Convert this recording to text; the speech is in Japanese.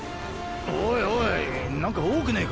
おいおいなんか多くねぇか？